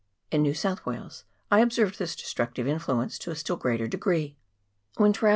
In New South Wales I observed this destructive influence to a still greater degree. When travelling CHAP.